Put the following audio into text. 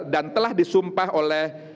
dan telah disumpah oleh